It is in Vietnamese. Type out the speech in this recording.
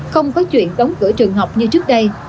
không có chuyện đóng cửa trường học như trước đây